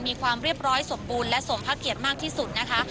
มีความเรียบร้อยสมบูรณ์และสมพระเกียรติมากที่สุดนะคะ